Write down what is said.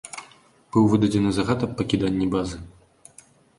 Быў выдадзены загад аб пакіданні базы.